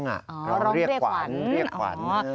ร้องเรียกขวัญเรียกขวัญอ๋อเรียกขวัญ